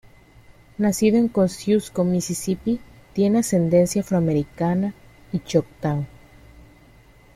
Nacido en Kosciusko, Misisipi, tiene ascendencia afroamericana y choctaw.